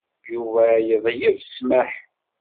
Yuba yeḍleb ssmaḥ